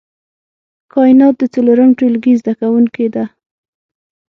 کاينات د څلورم ټولګي زده کوونکې ده